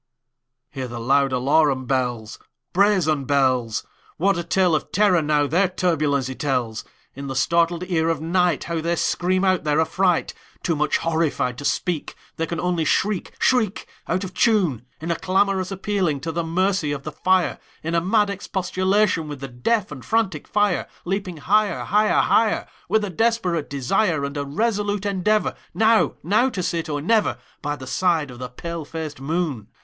Hear the loud alarum bells, Brazen bells! What a tale of terror, now, their turbulency tells! In the startled ear of nightHow they scream out their affright! Too much horrified to speak, They can only shriek, shriek, Out of tune, In a clamorous appealing to the mercy of the fire, In a mad expostulation with the deaf and frantic fire, Leaping higher, higher, higher, With a desperate desire, And a resolute endeavorNow—now to sit or never, By the side of the pale faced moon.